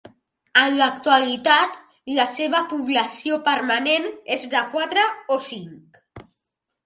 En l'actualitat, la seva població permanent és de quatre o cinc.